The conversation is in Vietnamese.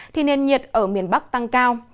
thì nền nhiệt ở miền bắc tăng cao